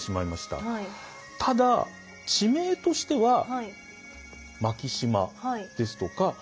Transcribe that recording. ただ地名としては槙島ですとか。